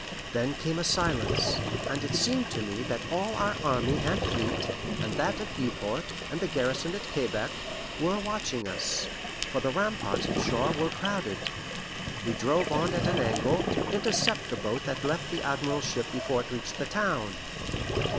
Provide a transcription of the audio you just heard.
Then came a silence, and it seemed to me that all our army and fleet, and that at Beauport, and the garrison of Quebec, were watching us; for the ramparts and shore were crowded. We drove on at an angle, to intercept the boat that left the admiral's ship before it reached the town.